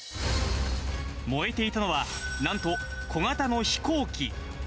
燃えていたのは、なんと小型の飛行機。